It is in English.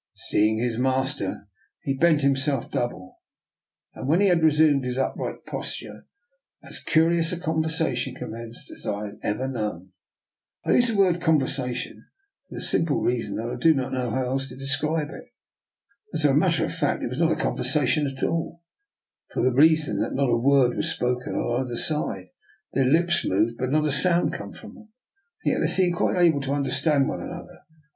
Seeing his master, he bent himself i64 i>R' NIKOLA'S experiment: nearly double, and when he had resumed his upright posture as curious a conversation commenced as ever I have known. I use the word " conversation " for the simple reason that I do not know how else to describe it. As a matter of fact it was not a conversation at all, for the reason that not a word was spoken on either side; their lips moved, but not a sound came from them. And yet they seemed quite able to understand one another.